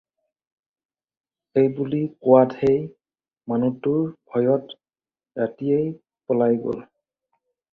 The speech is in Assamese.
এইবুলি কোৱাত সেই মানুহটো ভয়ত ৰাতিয়েই পলাই গ'ল।